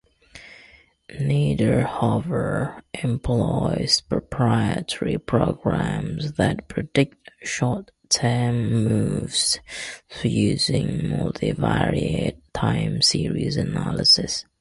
Niederhoffer employs proprietary programs that predict short-term moves using multivariate time series analysis.